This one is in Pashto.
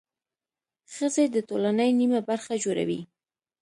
ښځې د ټولنې نميه برخه جوړوي.